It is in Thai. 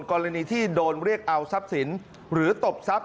กรณีที่โดนเรียกเอาทรัพย์สินหรือตบทรัพย